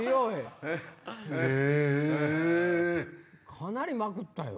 かなりまくったよ。